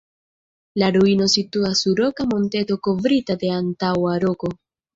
La ruino situas sur roka monteto kovrita de antaŭa roko.